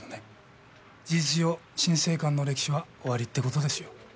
事実上心聖館の歴史は終わりって事ですよ。